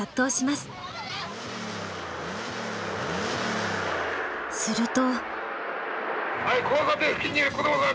すると。